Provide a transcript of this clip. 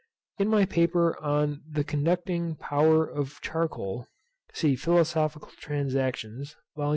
In my paper on the conducting power of charcoal, (See Philosophical Transactions, vol.